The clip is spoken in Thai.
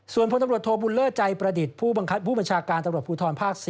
ส่วนพลตำรวจโทบุญเลิศใจประดิษฐ์ผู้บัญชาการตำรวจภูทรภาค๔